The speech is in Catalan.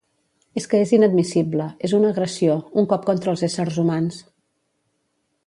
És que és inadmissible, és una agressió, un cop contra éssers humans.